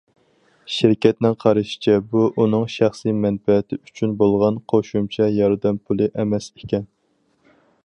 شىركەتنىڭ قارىشىچە بۇ ئۇنىڭ شەخسىي مەنپەئەتى ئۈچۈن بولغان قوشۇمچە ياردەم پۇلى ئەمەس ئىكەن.